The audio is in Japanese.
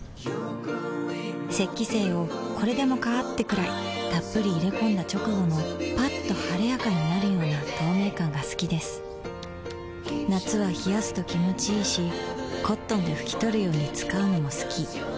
雪肌精をこれでもかーってくらいっぷり入れ込んだ直後のッと晴れやかになるような透明感が好きです夏は冷やすと気持ちいいし灰奪肇で拭き取るように使うのも好き